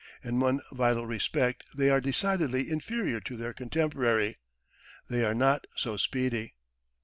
In one vital respect they are decidedly inferior to their contemporary they are not so speedy.